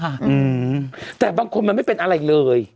อืมแต่บางคนมันไม่เป็นอะไรเลย